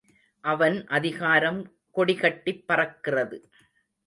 அவன் அதிகாரம் கொடிகட்டிப் பறக்கிறது.